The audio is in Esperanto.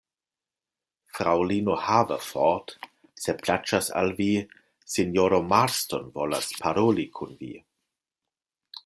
Fraŭlino Haverford, se plaĉas al vi, sinjoro Marston volas paroli kun vi.